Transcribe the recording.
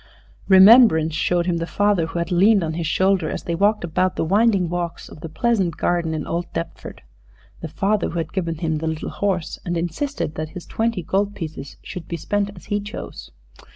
Remembrance showed him the father who had leaned on his shoulder as they walked about the winding walks of the pleasant garden in old Deptford the father who had given him the little horse, and insisted that his twenty gold pieces should be spent as he chose.